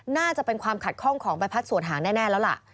น่าจะเป็นความขัดข้องของใบพัดส่วนหางแน่แล้วล่ะ